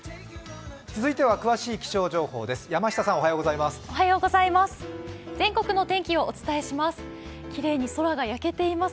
続いては詳しい気象情報です。